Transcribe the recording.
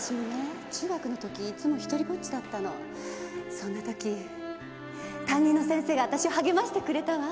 そんな時担任の先生が私を励ましてくれたわ。